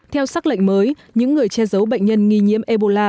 theo xác lệnh mới những người che giấu bệnh nhân nghi nhiễm ebola